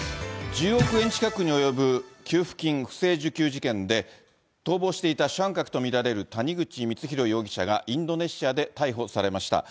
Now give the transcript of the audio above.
１０億円近くに及ぶ給付金不正受給事件で、逃亡していた主犯格と見られる谷口光弘容疑者が、インドネシアで逮捕されました。